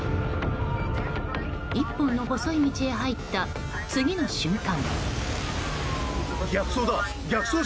１本の細い道へ入った次の瞬間。